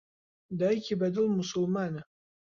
دایکی بەدڵ موسوڵمانە.